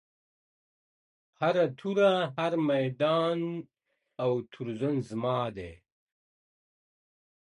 هره توره، هر میدان، او تورزن زما دی.